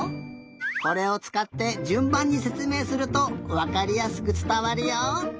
これをつかってじゅんばんにせつめいするとわかりやすくつたわるよ。